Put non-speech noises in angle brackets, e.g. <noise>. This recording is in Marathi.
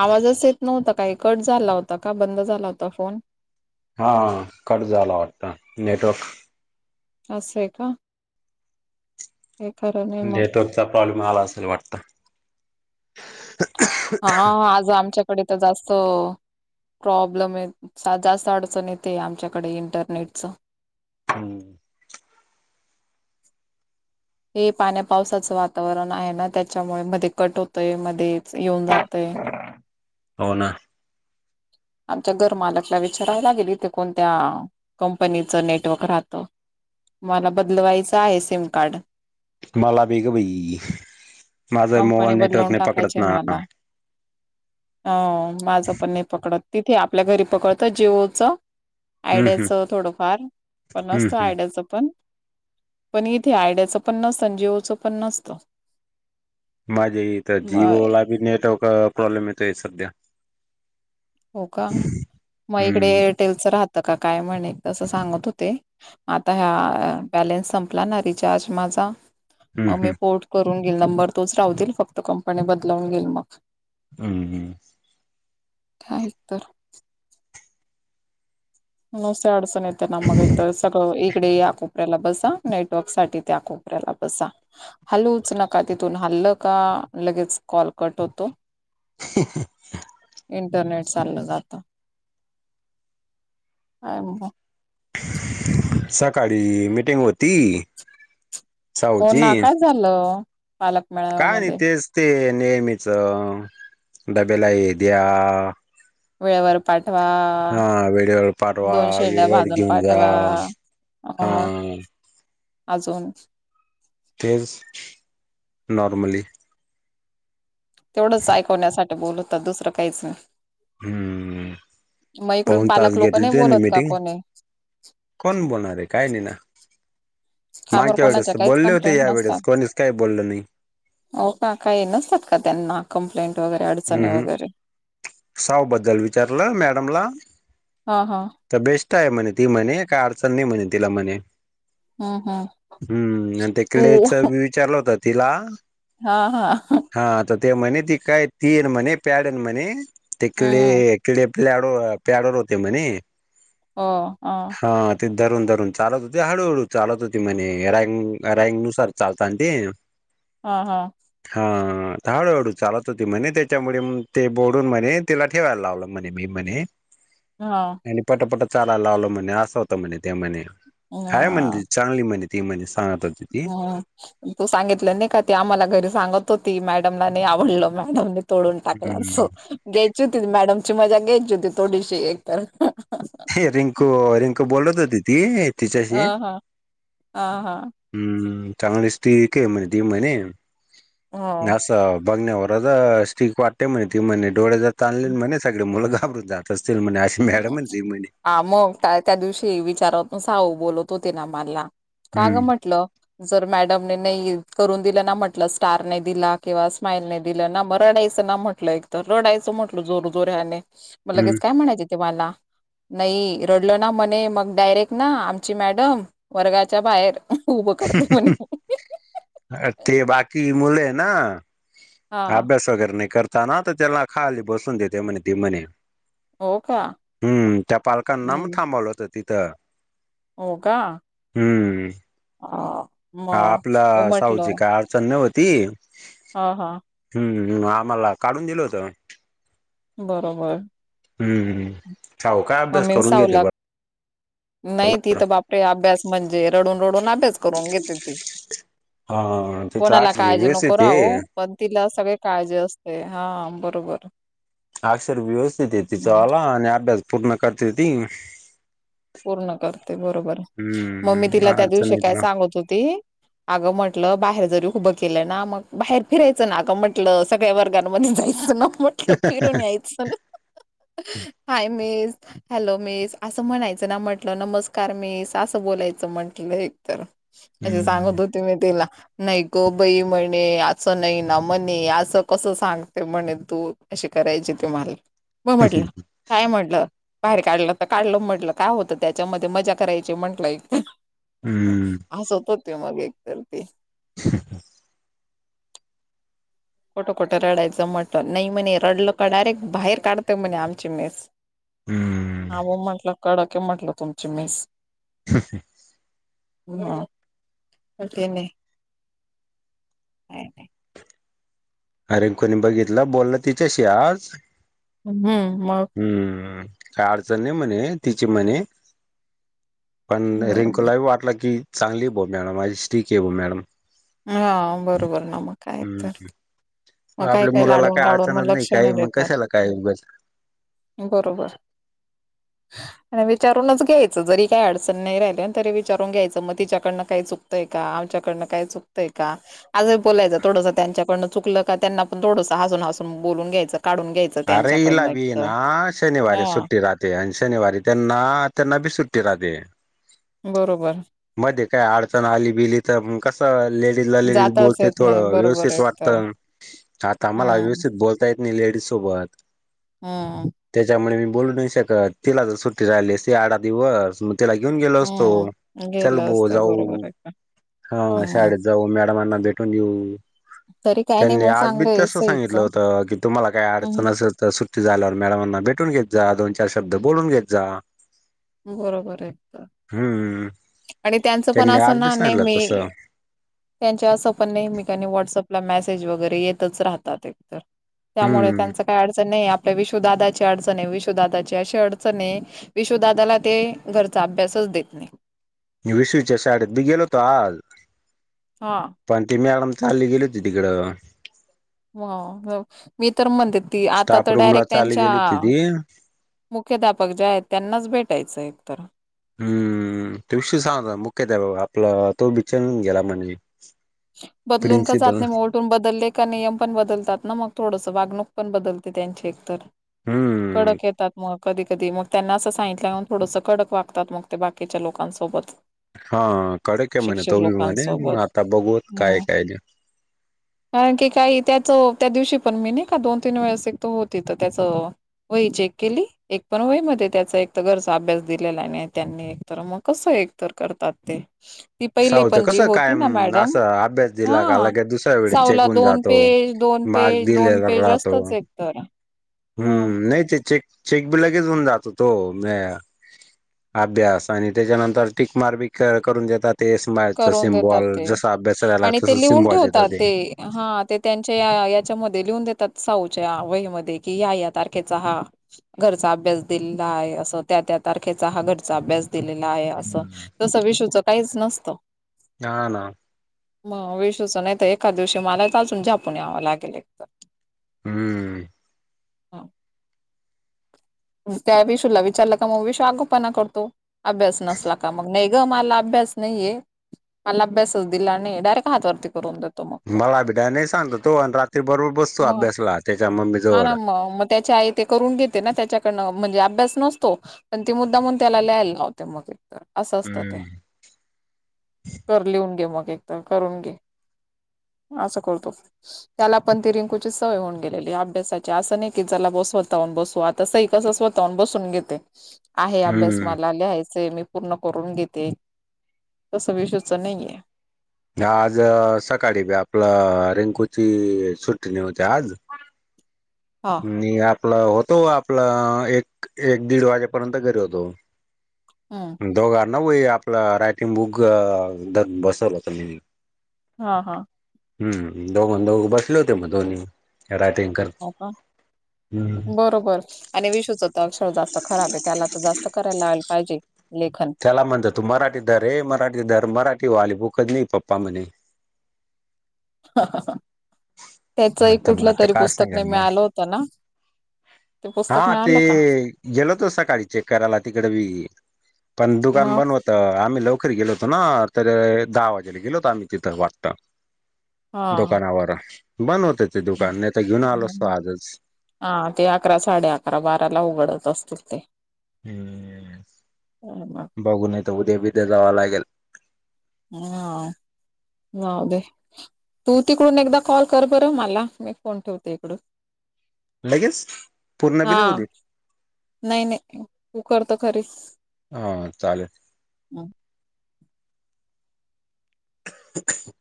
आवाजच येत नव्हता काही कट झाला होता का? बंद झाला होता फोन? हा कट झाला होता नेटवर्क? असंय का काही खरं नाय नेटवर्क चा प्रॉब्लेम आला असल वाटत हा आज आमच्याकडे तर जास्त प्रॉब्लेमय जास्त अडचण येते आमच्याकडे इंटरनेटचं हम्म हे पाण्या पावसाचं वातावरण आहे ना त्याच्यामुळे मध्ये कट होतय मध्येच येऊन जातय <inaudible> हो ना आमच्या घर मालकला विचारायला लागेल इथं कोणत्या कंपनीचं नेटवर्क राहतं? मला बदलवायचं आहे सिम कार्ड मला बीगं बाई माझं कंपनी मोबाईल नेटवर्क बदलवून नाही पकडत टाकायचे ना मला अ माझं पण नाही पकडत तिथे आपल्या घरी पकडत जी ओच? हम्म हम्म आयडियाचं थोडंफार पण हम्म असतं हम्म आयडियाचं पण पण इथे आयड्याचं पण नसतं जीओचं पण नसतं माझ्या इथ जि मग ओला बी नेटवर्क प्रॉब्लेम येतोय सध्या हो का मग इकडे हम्म एरटेलच राहतं का काय म्हणे तसं सांगत होते. आता हा बॅलेन्स संपला ना रिचार्ज माझा मग हम्म मी पोर्ट करून घेल नंबर तोच राहतील फक्त कंपनी बदलावून घेईल मग हम् हम काय तर नुसती अडचण येते ना मग एक तर सगळं इकडे याकू <unintelligible> ऱ्याला बसा नेटवर्क साठी त्या कोपऱ्याला बसा हालूच नका तिथून हालं का लगेच कॉल कट होतो. हं हं <inaudible> इंटरनेट चाललं जातं काय मं सकाळी मीटिंग होती हो साऊची ना काय झालं? पालक काय नाही मेळाव्यामध्ये तेच ते नेहमीच डब्याला हे द्या. वेळेवर पाठवा. हा वेळेवर पाठवा दोन शेंड्या वेळेवर भाजून घेऊन जा पाठवा अ हा अजून तेच नॉर्मली. तेवढंच ऐकवण्यासाठी बोलवतात दुसरं काहीच नाही. हम्म. हम्. मग इकडून पाऊण तास पालक लोक घेतले नाही ते नी बोलत का मीटिंग कोणी कोण बोलणार आहे काय नाही ना. का बर मागच्या् कोणाच्या वेळेस काहीच बोलले होते कंप्लेंट या नसतात वेळेस कोणीच काही बोललं नाही. हो का काही नसतात का त्यांना कंप्लेंट वगैरे अडचणी हम् हम वगैरे. साव बद्दल विचारलं मॅडमला. हा हा. तर बेस्ट आहे म्हणे ती म्हणे काय अडचण नाही म्हणे तिला म्हणे. हम्म हम्म हम्म आणि ते तू कलेची विचारलं होत तिला. हा हा. हा तर ते म्हणे ती काय तीन म्हणे प्याडन म्हणे तिकडे हम्म किडे प्याडो प्याडो र होते म्हणे. हो हा. हा ते धरून धरून चालत होते हळूहळू चालत होते म्हणे रँग रँग नुसार चालताना ते. हा हा. हा हाळू हळू चालत होती. ते म्हणे त्याच्यामुळे ते बोडून म्हणे तिला ठेवायला लावलं म्हणे मी म्हणे. हा. आणि पटापट चालायला लावल म्हणे असं होतं म्हणे ते म्हणे हाय म्हण हा चांगली म्हणे ती म्हणे सांगत ती हम. तू सांगितलं नाही का ते आम्हाला घरी सांगत होती मॅडमला नाही आवडलं मॅडमने तोडून टाकला सो हम्म घ्यायची होती मॅडमची मजा घ्यायची होती थोडीशी एक तर ते रिंकू रिंकू बोलत होती ती अ तिच्याशी हा अ हा हम्म हम्म चांगली दिसत ती का म्हणे ती म्ह हो घास बघण्या वर स्टीक वाटते म्हणे ती म्हणे डोळे जात आणले म्हणे सगळे मुल घाबरून जात असतील म्हणे असे मॅडम म्हणती म्हणे. आ मग का त्या दिवशी विचारत साऊ बोलत होते ना मला का हम्म ग म्हटलं. जर मॅडमने नाही करून दिलं ना म्हटलं स्टार नाही दिला किंवा स्माइल नाही दिलं ना म रडायचं ना म्हटलं एक तर रडायचं म्हटल जोर जोर्याने म हम्म लगेच काय म्हणायच - - तुम्हाना नाही रडल ना म्हणे मग डायरेक्ट ना आमची मॅडम वर्गाच्या बाहेर उभं करते म्हणे ते बाकी मुले ना हा अभ्यास वगैरे नाही करता ना तर त्याला खाली बसून देते म्हणे ती म्हणे. हो का हम्म त्या पालकांना म हम्म थांबवलं होतं तिथं. हो का. हम्म. हा. हा मग मग आपलं सावजी म्हटलं का अडचण नई होती. हा हा. हम्मम आम्हाला काढून दिलं होतं. बरोबर- हम्म. साहू काय अभ्यास मम्मी करून साव घेते लाग. बरोबर नाही तिथं बापरे अभ्यास म्हणजे रडून रडून अभ्यास करून घेते त हा तिचा कोणाला अक्षर काळजी नको. व्यवस्थित आहे पण तिला सगळे काळजी असते हा बरोबर. अक्षर व्यवस्थित य तिचं हं, वाले आणि अभ्यास पूर्ण करते हो ती. पूर्ण करते बरोबर. मग ममी हम्म तिला त्या अडचण दिवशी नाही काय तिला सांगत होती. अगं म्हटलं बाहेर जरी उभं केलं ना मग बाहेर फिरायचं ना अगं म्हटलं. सगळ्या वर्गामध्ये जायचं ना पण. फिरून यायच हाय मिस हॅलो मिस असं म्हणायचं. ना म्हटलं नमस्कार मी सासं बोलायचं म्हंटलं एकतर. अे हम्म सांगत होते मी तिला. नाही गो बाई म्हणे असं नाही ना म्हणे असं कसं सांगते म्हणे तू. अशी करायची तुम्हाला म म्हटलं काय म्हटलं बाहेर काढलं तर काढलं म्हटलं. काय होत त्याच्यामध्ये मजा करायची म्हंटलं एक हम्म असं होत. ते मग एक तर ते ह. खोटं खोठं रडायचं म्हटलं. नाही म्हणे रडलं का डायरेक्ट बाहेर काढतय म्हणे आमची मिस. हम्म आवो म्हटलं कडक ये म्हटलं तुमची मिस. हम्म. ह अे नाही. हम. अरे कोणी बघितलं बोलला तिच्याशी आज. हम्म मग. हम्म काय अडचण नाही म्हणे तिची म्हणे. पण बरोबर रिंकूलाही वाटलं की चांगली ब मॅडम अ स्ट्रिक आहे बॉ मॅडम. हा बरोबर ना मग काय तर. हम्म मग काही आपल्या काही मुलाला लाडून काय लाडून अडचणच मग लक्ष काय नाही मग देतात. कशाला काय उगाच बरोबर. आणि विचारूनच घ्यायचं जरी काही अडचण नाही राहिल्या तरी विचारून घ्यायचं म तिच्याडन काय चुक य का आमच्याकडं काय चुकतंय का आजही बोलायच थोडस त्यांच्याकडनं चुकलं का त्यांना पण थोडंस हसून हसून बोलून घयं काढून घ्यायचं. अरे इला त्यांच्याकडनं एक भी तर ना शनिवारी हा सुट्टी राहते. ते आणि शनिवारी त्यांना त्यांना बिसट्ट राहते. बरोबर. मध्ये काय अडचण आली बिली तर कसं लेडीज जाताच बोलते येत नाही थोडं बरोबर व्यवस्थित एक वाटत. तर आता म्हाला हम्म व्यवस्थित ब येत नाही लेडीज सोबत. हा. त्याच्यामुळे मी बोलू नाही शकत तिला जर सुट्टी राहिली सी आठा दिवस तिला घेऊन गेलो असतो. हम्म चल गेलं बो असतं बरोबर जाऊ आहे एकतर. हा हम्म शाळेत जाऊ मॅडमांना भेटून येऊ. तरी काय नाही त्यांनी मग आज मी चांगलं आहे तसं सांगितलं सईचं होतं की तुम्हाला काय हम्म अडचण असेल तर सुट्टी झाल्यावर मॅडमांना भेटून घेत जा दोन चार शब्द बोलून घेत जा. बरोबर आहे तर हम्म आणि त्यांचं पण त्यांनी आज असं बी ना सांगितलं नेहमी तसं त्यांच्या असं पण नेहमिकांनी व्हॉट्सअपला मेसेज वगैरे येतच राहतात. त्यामुळे हम्म त्यांच का अडचण आहे आपल्या विशुदादाची अडचण आहे. विशुदादाची अशी अडचण आहे विशु दादाला ते घरचा अभ्यासच देत नाही. विषूच्या साडेत बी गेलोतो हल. हा. पण ती मॅडम चालली गेली होती तिकडं. हो मी तर म्हणते ती आता स्टाफ तर रूम ला डायरेक्ट चालली त्यांच्या गेली होती ती मुख्याध्यापक जे आहेत त्यांनाच भेटायचं एकतर हम्म तेवशी सांगत मुक्येत आहे बा आपला तो बिचनून गेला म्हणे. बदलूून का सा प्रिन्सिपल नाही मोड. तून बदलले का नियम पण बदलतात ना मग थोडस वागणूक पण बदलते त्यांची एकतर हम्म कडक येतात मग कधी कधी मग त्यांना असं सांगितलंन थोडसं कडक वागतात मग ते बाकीच्या लोकांसोबत हा कडे काय म्हणे शिक्षक तोबी म्हणे लोकांसोबत आता बघवत काय ह काय? <unintelligible> कारण की काही त्याचं त्या दिवशी पण मी नाही का दोन तीन वेळेस एक तर होती तर त्याचं वही चेक केली एक पण वही मध्ये त्याचा एक तर घरचा अभ्यास दिलेला नाही त्यांनी एक तर मग कसं एक ात पहि साऊचं पण कसं होती. कायम मॅडम असं अभ्यास हा दिला का लगेच दुसऱ्या वेळेस चेक सावला होऊन दोन जातो. पेज दोन मार्क पेज दोन दिलेला पेज राहतो असतच. तेरा हम्म नाही ते चेक चेक बी लगेच होऊन जातो तो म अभ्यास आणि त्याच्यानंतर टिकमार बी करून देतात. तेच माचा करून देतात सिमबॉल ते जसा अभ्यास राहिला आणि तस ते लिहून सिमबॉल ठेवतात देतात ते हा ते त्यांच्या या याच्यामध्ये लिहून देतात साऊच्या वहीमध्ये कि या या तारखेचा हा. घरचा अभ्यास दिलेला आहे असं त्या त्या तारखेचा हा घरचा अभ्यास दिलेलं आहे असं हम्म तसं विषूच काहीच नसतं. ना ना. मग विशच नाही तर एका दिवशी मलाच अजून झपून यावं लागेल एक तर हम्म. त्या विषयला विचारलं का मग विषय आगोपना करतो. अभ्यास नसला का मग नाही ग मला अभ्यास नाहीे. मला अभ्यासच दिला आणि डायरेक्ट हातवरती करून देत. मला भिडा नाही सांगत तो आणि रात्री बरोबर बसतो मग अभ्यासला त्याच्या मम्मी हा ना जवळ मग त्याच्या आई ते करून घेते ना त्याच्याकडन म्हणजे अभ्यास नसतो पण ती मुद्दा म्हणून त्याला ल्यायला लावते मग तर असं असतं ते हम्म कर लिहून घे मग एक तर करून घे. असं करतो. त्याला पण तिरिंकूची सवय होऊन गेलेली अभ्यासाची असं नाही की जला बसवताून बसू आता स कस स्वतः बसून घेते आहे अभ्यास हम्म मला लिहायच मी पूर्ण करून घेते तसं विष्च नाहीे. आज सकाळी ब आपलं रिंकूची सुट्टणी होते आज हा आणि आपलं होतो आपलं एक एक दीड वाजेपर्यंत घरी होतो. हम. दोघं नवई आपलं रायटिंग बुक बसवलं होत मी हा हा. हम् दोघां दोघ बसले होते मग दोन्ही राातकर हो बरोबर. आणि विशूचं तर अक्षर जास्त खराब आहे त्याला तर जास्त करायला लाला पाहिजे लेखन त्याला म्हणत तू मराठी दर र मराठी दर मराठी वाली बुकधली पप्पा म्हणे. त्याच एक आता मग कुठलं आता तरी काय पुस्तक ने सांगेल ममी मग आलं होत ना. ते हा पुस्तक ते मिळालं का गेलोतो सकाळी चेक करायला तिकडे ब पण दुकान मग बंद होत. तर आम्ही लवकर गेलोतो ना तर दहा वाजेला गेलो होतो आम्ही तिथं वाटत. हा दुकानावर बंद होते ते दुकान नाही तर घेऊन आलो असतो आजच. हा. ते अकरा साडे अकरा. बाराला उघडत असतील ते. <unintelligible> ह <unintelligible> बघू नईत. उद्या बिद्या जावं लागेल. हम <unintelligible> हा. तू तिकडून एकदा कॉल कर बरं मला. मी फोन ठेवते्. इकड. लगेच. पूर्ण बि हा नाही होऊ दे. नाही नाही. कूकर त खरीच हा चालेल. ह <unintelligible> ह <unintelligible>